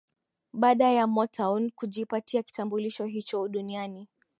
Baada ya Motown kujipatia kitambulisho hicho duniani